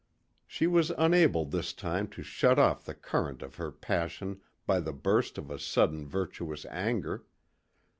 She was unable this time to shut off the current of her passion by the burst of sudden virtuous anger.